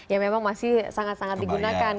yang memang masih sangat sangat digunakan